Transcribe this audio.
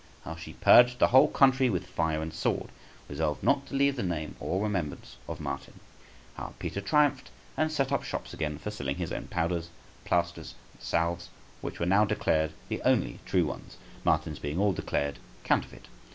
How she purged the whole country with fire and sword, resolved not to leave the name or remembrance of Martin. How Peter triumphed, and set up shops again for selling his own powders, plasters, and salves, which were now declared the only true ones, Martin's being all declared counterfeit.